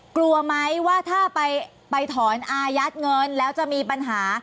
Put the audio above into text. กลัวไหมว่าถ้าไปถอนอายัดเงินแล้วจะมีปัญหา